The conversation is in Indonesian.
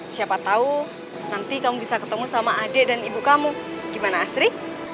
siapa tahu nanti kamu bisa ketemu sama adik dan ibu kamu gimana asri